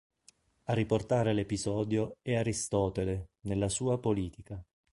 A riportare l'episodio è Aristotele, nella sua "Politica".